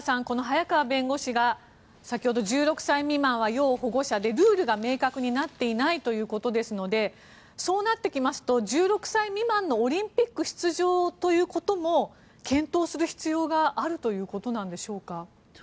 この早川弁護士が先ほど１６歳未満は要保護者でルールが明確になっていないということですのでそうなってきますと１６歳未満のオリンピック出場ということも検討する必要があるということなんでしょうか。